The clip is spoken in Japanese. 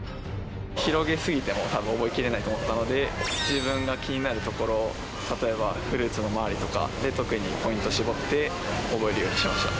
広げ過ぎてもたぶん覚え切れないと思ったので自分が気になる所を例えばフルーツの周りとかで特にポイント絞って覚えるようにしました。